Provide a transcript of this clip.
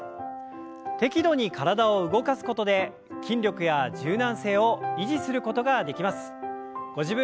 適度に体を動かすことで筋力や柔軟性を維持することができます。